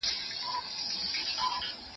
لار چي کله سي غلطه له سړیو